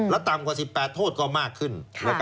และต่ำกว่า๑๘โทษก็มากขึ้น